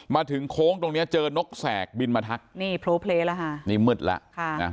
มาถึงโค้งตรงนี้เจอนกแสกบินมาทักนี่โพรเวสแล้วครับนี่มืดแล้วค่ะอ่า